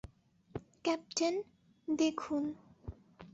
Captain, দেখুন।